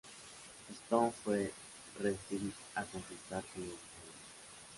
Stone fue al ringside a consultar con los luchadores.